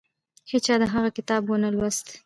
هیچا د هغه کتاب ونه لوست.